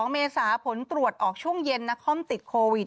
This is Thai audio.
เมษาผลตรวจออกช่วงเย็นนครติดโควิด